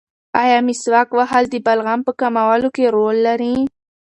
ایا مسواک وهل د بلغم په کمولو کې رول لري؟